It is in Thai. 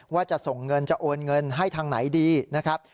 ว่าจะส่งเงินจะโอนเงินให้ทางไหนดีนะครับ